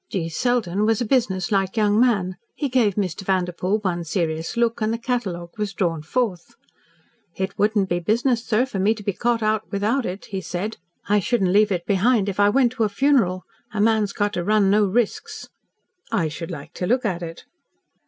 G. Selden was a business like young man. He gave Mr. Vanderpoel one serious look, and the catalogue was drawn forth. "It wouldn't be business, sir, for me to be caught out without it," he said. "I shouldn't leave it behind if I went to a funeral. A man's got to run no risks." "I should like to look at it."